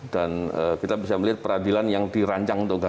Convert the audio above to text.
dan kita bisa melihat peradilan yang dirancang atau gagal